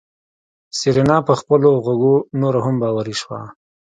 سېرېنا په خپلو غوږو نوره هم باوري شوه.